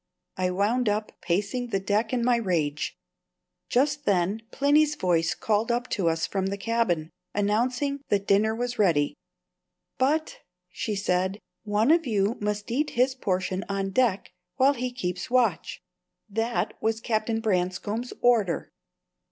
I wound up, pacing the deck in my rage. Just then Plinny's voice called up to us from the cabin, announcing that dinner was ready. "But," said she, "one of you must eat his portion on deck while he keeps watch; that was Captain Branscome's order."